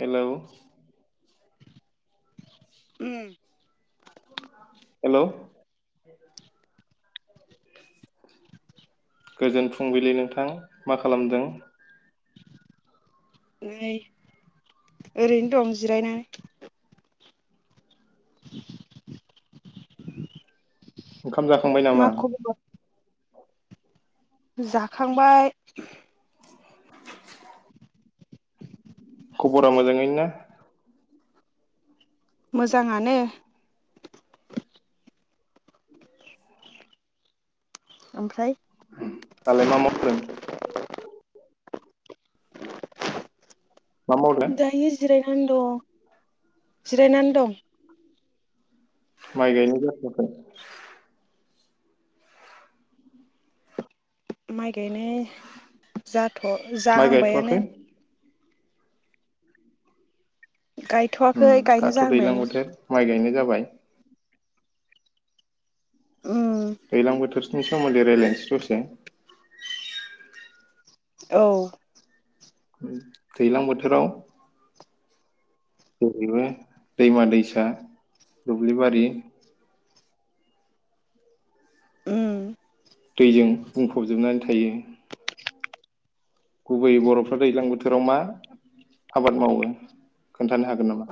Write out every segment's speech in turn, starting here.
Hello. उम। Hello गोजोन फुंबिलि नोंथां मा खालामदों? नै ओरैनो दं जिरायनानै। खाम जाखांबाय मा नामा? खबर जाखांबाय। खबरा मोजाङै ना? मोजाङानो। ओमफ्राय? दालाय मा मावदों? मा मावदों दायो जिरायना। नै दं जिरायनानै दं। माइ गायनो जाथआखै। माइ। गायनो जाथ माइ गायथ'वाखै जाहांबायानो। ओ गायथ'वाखै गायनो दाथ दैलां जाहांबायानो बोथोर माइ गायनाय जाबाय। उम दैलां बोथोरनि। सोमोनदै रायलायनोसै दसे। औ। दैैलां बोथोराव। जेरैबो दैमा दैसा दुब्लिबारि। उम दैजों बुंफबजोबनानै थायो। गुबैयै बरफ्रा दैज्लां बोथोराव मा आबाद मावो खोन्थानो हागोन नामा?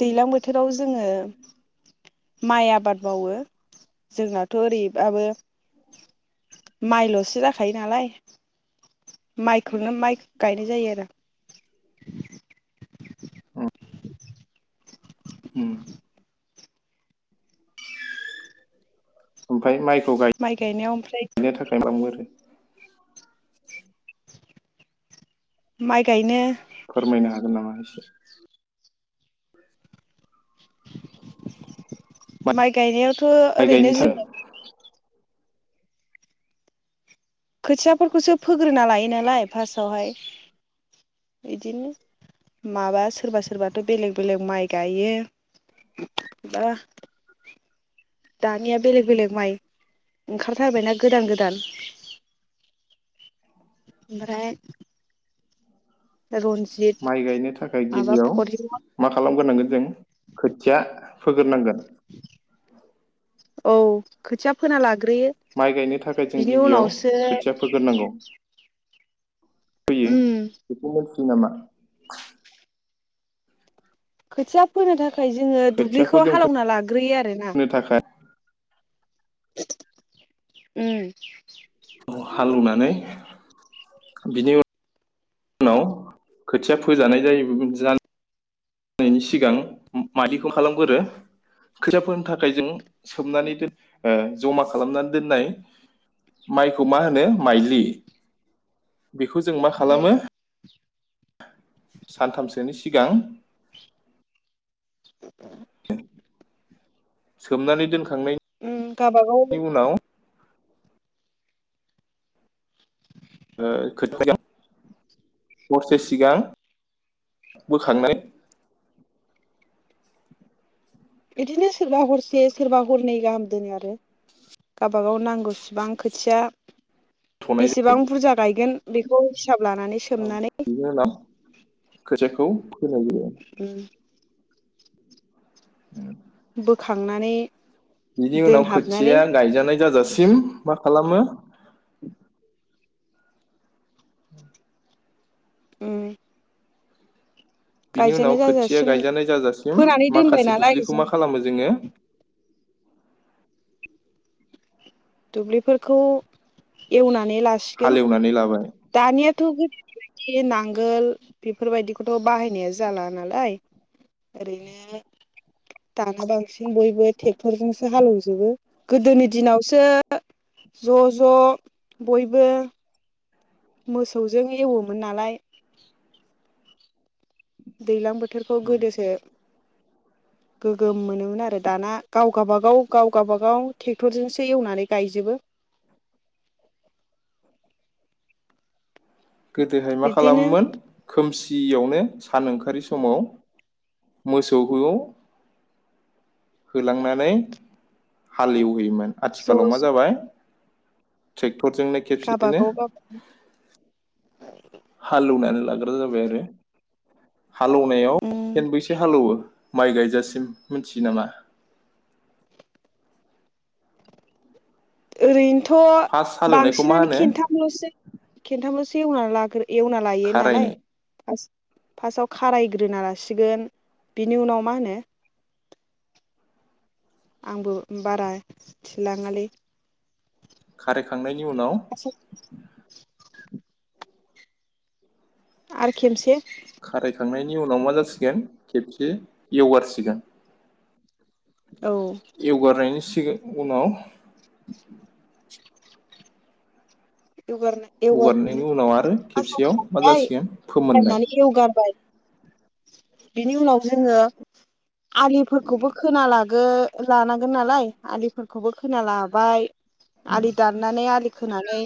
दैलां बोथोराव जोङो माइ आबाद मावो जोंनाथ ओरैबाबो माइलसो जाखायो नालाय माइखौनो माइ गायनाय जायो आरो। ओम ओम। ओमफाय माइ। खौ माइ गायनायाव ओमफ्राय गाय-नो थाखाय मो। माइ गायनो फोरमायनो हागोन नामा एस? [inaudible] माइ गायनायाव। थ माइ गायनो ओरैनो थाखाय जों। खोथियाफोरखौसो फोग्रोना लायो नालाय फार्स्टआवहाय इदिनो माबा सोरबा सोरबाथ बेलेग बेलेग माइ गायो बा। दानिया बेलेग बेलेग माइ ओंखारथारबायना गोदान गोदान। आमफ्राय। माइ गायनो थाखाय माबा गिबियाव फरिमल मा खालामग्रोनांगोन जों खोथिया फोग्रोनांगोन। औ खोथिया फोना ला। माइ गायनो थाखाय जों गिबियाव खोथिया फोगोरनांगौ। फैयो उम बेखौ नामा खोथिया फोनो था। खाय जोङो खोथियाखौ दुब्लिखौ जों हालेवना लाग्रोयो आरो ना। फोनो थाखाय उम हालौवनानै बिनि उन। उनाव खोथिया फोजानाय [unintelligible] नायनि सिगां माददिखौ खालामगोरो खोथिया फोनो थाखाय जों सोमनानै दोन ओ जमा खालामनानै दोननाय माइखौ मा होनो? माइज्लि। बेखौ जों मा खालामो? [inaudible] सानथामसोनि सिगां [inaudible] सोमनानै दोनखा उम गावबागाव खांनायनि उनाव [inaudible] ओ खोथिया [unintelligible] हरसे सिगां बोखांनानै बिदिनो सोरबा हरसे सोरबा हरनै गाहाम दोनो आरो गावबागाव नांगौसेबां खोथिया थ'नाय बेसेबां बुरजा गायगोन बिखौ औ बिनि उनाव खोथिया खौ फोहैयो औ बोखांनानै बिनि उनाव दोनहाबनानै खोथिया गायजानाय जाजासिम मा खालामो उम बिनि उनाव खोथिया जाजासिम गायजानाय जाजासिम फोनानै दोनबाय माखासे नालाय दुब्लिखौ जों मा खालामो जोंङो? दुब्लिफोरखौ एवना हालेवनानै लाबाय। दानियाथ' गोदोनि बायदि नांगोल बेफोरबायदिखौथ बाहायनाया जाला नालाय। ओरैनो दाना बांसिन बयबो ट्रेक्टरजोंसो हालेवजोबो। गोदोनि दिनावसो ज' ज' बयबो मोसौजों एवोमोन नालाय दैलां बो थोरखौ गोदोसो गोगोम मोनोमोन आरो दाना गाव गाबागाव गाव गाबागाव ट्रेक्टरजोंसो एवनानै गायजोबो। गोदोहाय मा बिदिनो खालामोमोन खोमस दियावनो सान ओंखारि समाव मोसौखौ होलांनानै हालेव हैयोमोन आथिखालाव ज' मा ज' जाबाय थेक टरजोंनो खेबसेनो गाबागाव [inaudible] गाव [unintelligible] हालौनानै लाग्रा जाबाय आरो हालौनायाव उम सेनबैसो हालौवो माइ गायजासिम मिनथियो नामा [inaudible] ओरैनोथ' फार्स्ट थ' हालेवनायखौ मा बांसिनानो होनो खेन्थामल'सो खिन्थामल'सो एवना लाग्रो एवना लायो नालाय खारायनाय फार्स्टआव खारायग्रोना लासिगोन बिनि उनाव मा होनो आंबो बारा थिलाङालै खारायखांनायनि उनाव आरो खेबसे खांनायनि उनाव मा जासिगोन खेबसे एवगारसिगोन औ एवगारनायनि सि उनाव [unintelligible] बिनि हगारनायनि उनाव आरो खेबसेयाव मा जासिगोन फोमोननाय उनाव जोङो आलिफोरखौबो खोना लागो लानांगोन नालाय आलिफोरखौबो खोना लाबाय आलि दाननानै आलि खोनानै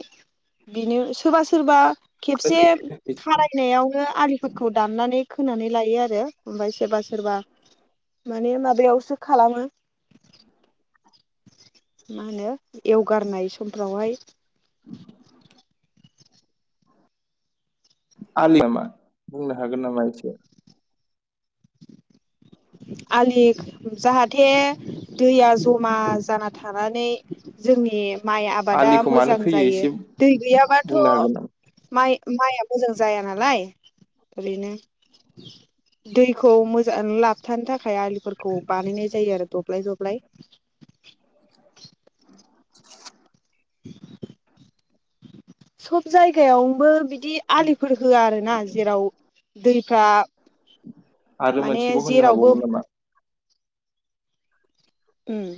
बिनो सोरबा सोरबा खेबसे खारायनायावनो आलिफोरखौ दाननानै खोनानै लायो आरो ओमफ्राय सोरबा सोरबा माने माबायावसो खालामो मा होनो एवगारनाय समफ्रावहाय आलिया मा बुंनो हागोन नामा इसे आलि जाहाथे दैया जमा जाना थानानै जोंनि माइ आबादा आलिखौ मानो मोजां खोयो जायो एसे दै गैयाबाथ' बुंनो हागोन नामा माइ माइआ मोजां जाया नालाय ओरैनो दै खौ मोजां लाबथानो थाखाय आलिफोरखौ बानायनाय जायो आरो दब्लाय दब्लाय [inaudible] सब जायगायावनोबो बि दि आलिफोर होआ आरो ना जेराव दैफ्रा आरो माने मोनसेबो होननो जेरावबो हाबावगोन नामा? उम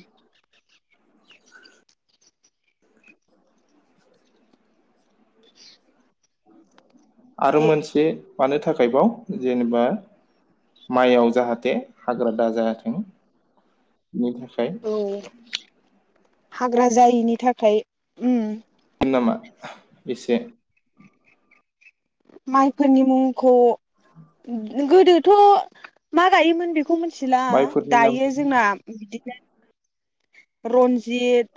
आरो दे मोनसे मानो थाखायबाव जेनेबा माइयाव जाहाथे हाग्रा दा जायाथों नि थाखाय औ हाग्रा जायिनि थाखाय उम नामा एसे माइफोरनि मुंखौ बे गोदोथ' मा गायोमोन बेखौ बे खौ मिथिला माइफोरनि नाम दायो जोंना बिदि रनजित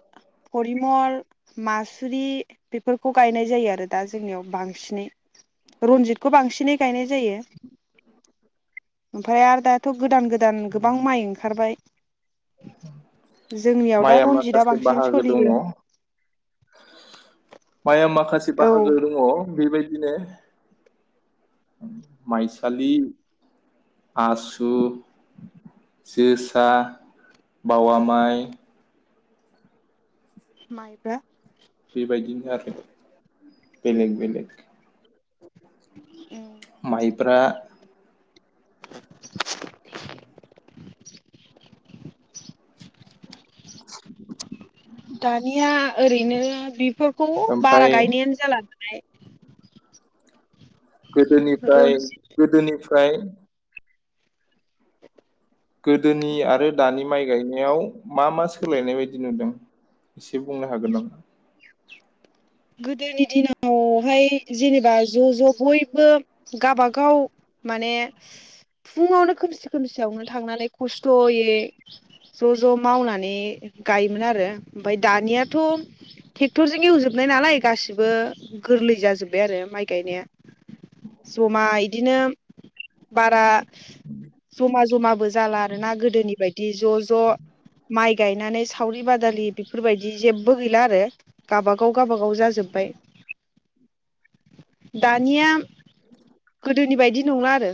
परिमल मासुरि बेफोरखौ गायनाय जायो आरो दा जोंनियाव बांसिनै रनजितखौ बांसिनै गायनाय जायो ओमफ्राय आरो दाथ' गोदान गोदान गोबां माइ ओंखारबाय जोंनियाव दा माइआ रनजितआ माखासे बांसिन बाहागो दङ सोलियो माइया माखासे औ बाहागो दङ बेबायदि बिदिनो माइसालि आसु जोसा बावा माइ माइब्रा बेबायदिनो आरो बेलेग बेलेग माइ ब्ब्रा [unintelligible] [unintelligible] [unintelligible] दानिया ओरैनो बेफोरखौ ओमफ्राय बारा गायनायानो जाला नालाय गोदोनिफ्राय रनजित गोदोनिफ्राय प्राय गोदोनि आरो दानि माइ गायनायाव मा मा सोलायनाय बायदि नुदों एसे बुंनो हागोन नामा? गोदोनि दिनावहाय जेनेबा ज' ज' बयबो गाबागाव माने फुङावनो खोमसि खोमसियावनो थांनानै खस्थ'यै ज' ज' मावनानै गायोमोन आरो ओमफफ्राय दानियाथ' ट्रेक्टरजों एवजोोब नाय नालाय गासिबो गोरलै जाजोब्बाय आरो माइ गायनाया जमा इदिनो बारा जमा जमाबो जाला आरोना गोदोनि बायदि ज' ज' ज माइ गायनानै सावरि बादालि बेफोरबायदि जेबो बो गैला आरो गावाबाग गाव गावाबागाव जाजोब्बाय दानिया गोदोनि बायदि नंला आरो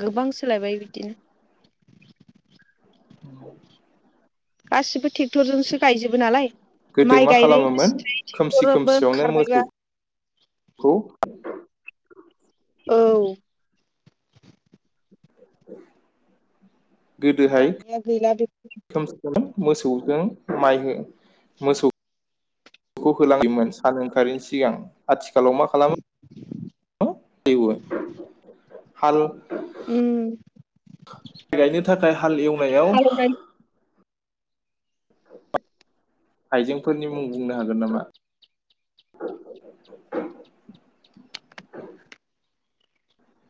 गोबां सोलायबाय बि दि [inaudible] गासिबो टेक्टरजोंसो गायजोबो नालाय गोदो माइ मा गायनायनिबो खालामोमोन सिनथाय खोमसि टेक्टरबो खोमसियावनो ओंखारबायबा। मोसौखौ औ [inaudible] गोदोहाय दानिया गैला बे खोमसि मोसौजों माइ हो मोसौ खौ होलाङोमोन सान ओंखारैनि सिगां आथिखालाव मा खालामो? [inaudible] एवो हाल उम माइ गायनो थाखाय हाल एवनायाव हालेवनाय आयजेंफोरनि मुं बुंनो हागोन नामा?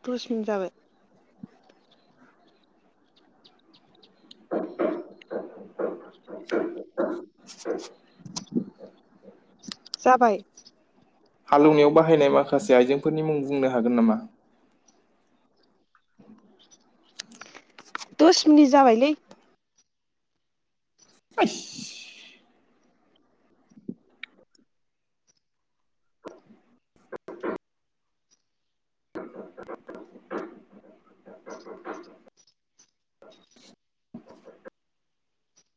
[unintelligible] जाबाय। [inaudible] [inaudible] जाबाय। हालौवनायाव बाहायनाय माखासे आइजेंफोरनि मुं बुंनो हागोन नामा? दस मिनिट जाबायलै।